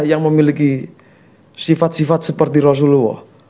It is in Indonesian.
yang memiliki sifat sifat seperti rasulullah